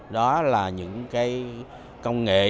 đó là những công nghệ